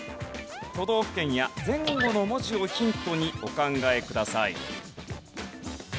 都道府県や前後の文字をヒントにお考えください。